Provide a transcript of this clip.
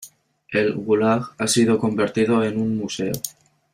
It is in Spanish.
El gulag ha sido convertido en un museo.